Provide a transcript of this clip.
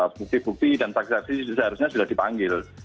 bukti bukti dan taksasi seharusnya sudah dipanggil